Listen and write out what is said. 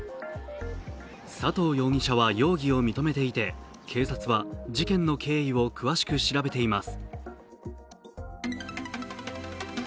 佐藤容疑者は容疑を認めていて警察は事件の経緯を詳しく調べています。